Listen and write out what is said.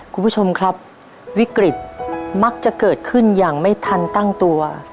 คุณผู้ชมครับวิกฤตมักจะเกิดขึ้นอย่างไม่ทันตั้งตัว